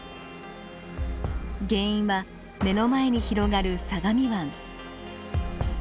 原因は目の前に広がる相模湾。